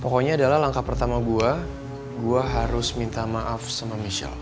pokoknya adalah langkah pertama gue gue harus minta maaf sama michelle